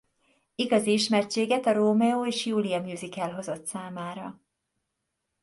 Igazi ismertséget a Rómeó és Júlia musical hozott számára.